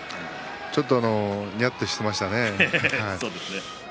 ちょっとにやっとしていましたね。